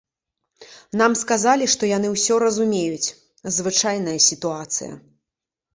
Нам сказалі, што яны ўсё разумеюць, звычайная сітуацыя.